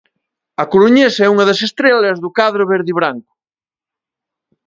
A coruñesa é unha das estrelas do cadro verdibranco.